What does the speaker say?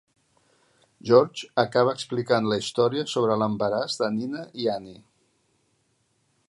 George acaba explicant la història sobre l'embaràs de Nina i Annie.